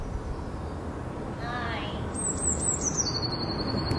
"Fonte Luminosa" means "Luminous Fountain".